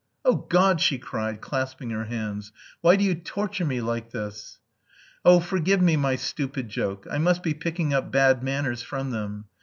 "Oh, God!" she cried, clasping her hands. "Why do you torture me like this?" "Oh, forgive me my stupid joke. I must be picking up bad manners from them.